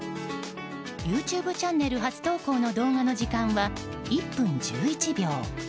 ＹｏｕＴｕｂｅチャンネル初投稿の動画の時間は１分１１秒。